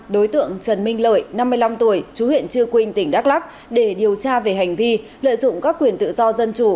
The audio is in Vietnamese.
đối tượng trần minh lợi năm mươi năm tuổi chú huyện chư quynh tỉnh đắk lắc để điều tra về hành vi lợi dụng các quyền tự do dân chủ